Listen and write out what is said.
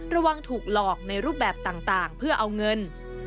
ระวังถูกหลอกในรูปแบบต่างเพื่อเอาเงิน